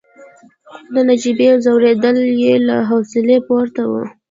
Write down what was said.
خو د نجيبې ځورېدل يې له حوصلې پورته وو.